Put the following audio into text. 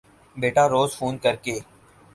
بیٹا روز فون کر کے